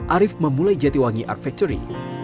arief memulai jatiwangi art factory